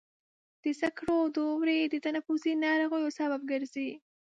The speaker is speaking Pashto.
د سکرو دوړې د تنفسي ناروغیو سبب ګرځي.